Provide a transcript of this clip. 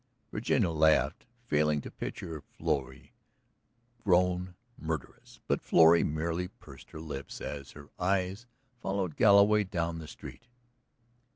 Virginia laughed, failing to picture Florrie grown murderous. But Florrie merely pursed her lips as her eyes followed Galloway down the street.